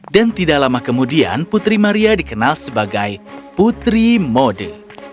dan tidak lama kemudian putri maria dikenal sebagai putri mode